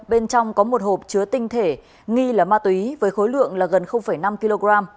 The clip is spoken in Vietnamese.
bên trong có một hộp chứa tinh thể nghi là ma túy với khối lượng là gần năm kg